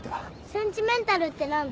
センチメンタルって何だ？